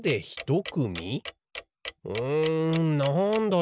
んなんだろう。